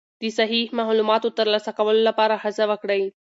د صحیح معلوماتو ترلاسه کولو لپاره هڅه وکړئ.